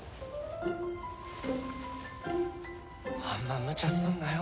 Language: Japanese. あんまむちゃすんなよ